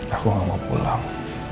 aku gak mau pulang